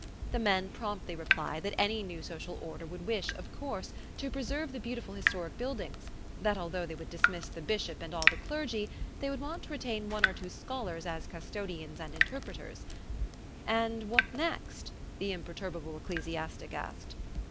The men promptly replied that any new social order would wish, of course, to preserve beautiful historic buildings, that although they would dismiss the bishop and all the clergy, they would want to retain one or two scholars as custodians and interpreters. "And what next?" the imperturbable ecclesiastic asked.